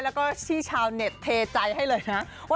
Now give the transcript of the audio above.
แล้วก็ที่ชาวเน็ตเทใจให้เลยนะ